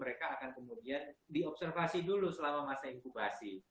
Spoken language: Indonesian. mereka akan kemudian diobservasi dulu selama masa inkubasi